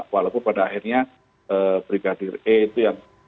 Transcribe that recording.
walaupun pada akhirnya brigadir e itu yang